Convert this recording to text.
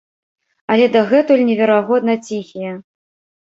Але дагэтуль неверагодна ціхія.